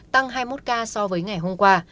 tăng hai mươi một ca so với ngày hôm qua